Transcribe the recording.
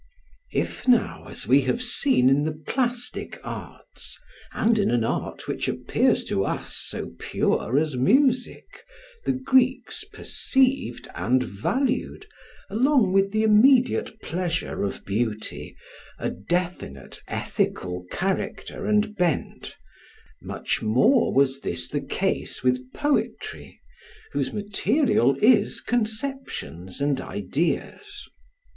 If now, as we have seen, in the plastic arts, and in an art which appears to us so pure as music, the Greeks perceived and valued, along with the immediate pleasure of beauty, a definite ethical character and bent, much more was this the case with poetry, whose material is conceptions and ideas.